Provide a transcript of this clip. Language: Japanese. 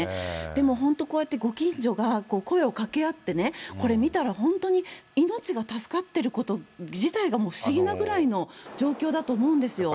でも本当、こうやってご近所が声をかけ合ってね、これ見たら本当に命が助かってること自体が不思議なぐらいの状況だと思うんですよ。